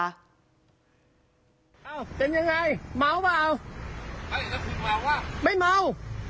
อ้าวเป็นยังไงเมาหรือเปล่า